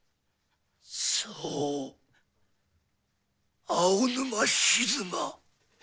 そう青沼静馬。